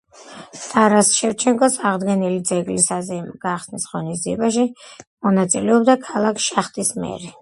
ტარას შევჩენკოს აღდგენილი ძეგლის საზეიმო გახსნის ღონისძიებებში მონაწილეობდა ქალაქ შახტის მერი.